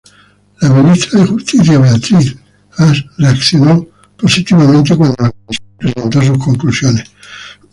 La Ministra de Justicia, Beatrice Ask, reaccionó positivamente cuando la comisión presentó sus conclusiones.